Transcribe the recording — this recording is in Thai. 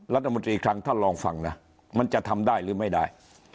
รัฐมนตรีครั้งท่านลองฟังนะมันจะทำได้หรือไม่ได้